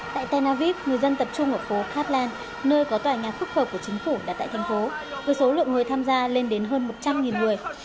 tại tena vip người dân tập trung ở phố cat land nơi có tòa nhà phúc hợp của chính phủ đã tại thành phố với số lượng người tham gia lên đến hơn một trăm linh người